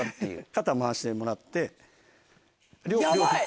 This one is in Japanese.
肩回してもらって。